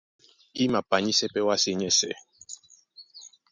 I mapanyísɛ́ pɛ́ wásē nyɛ́sɛ̄.